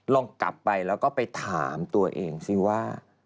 ลองกลับไปแล้วก็ไปถามตัวเองสิว่า